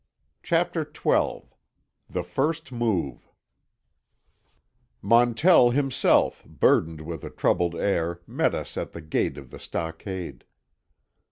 CHAPTER XII—THE FIRST MOVE Montell himself, burdened with a troubled air, met us at the gate of the stockade.